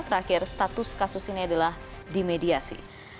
terakhir status kasus ini adalah di media sosial